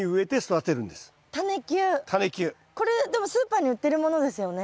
これでもスーパーに売ってるものですよね？